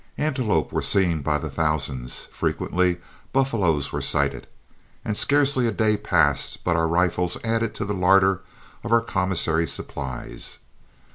Antelope were seen by the thousands, frequently buffaloes were sighted, and scarcely a day passed but our rifles added to the larder of our commissary supplies.